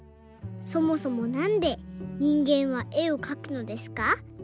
そもそもなんで人間は絵をかくのですか？